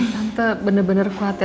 tante bener bener khawatir